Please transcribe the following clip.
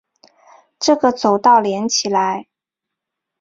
这个走道连起来